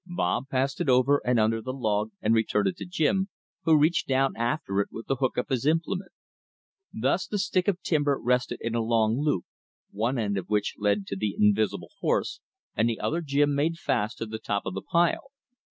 Bob passed it over and under the log and returned it to Jim, who reached down after it with the hook of his implement. Thus the stick of timber rested in a long loop, one end of which led to the invisible horse, and the other Jim made fast to the top of the pile.